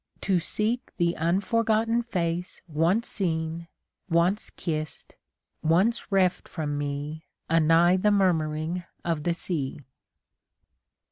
To seek the unforgotten face Once seen, once kissed, once reft from me Anigh the murmuring of the sea.